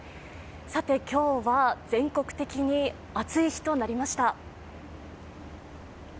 今日は全国的に暑い日となりました。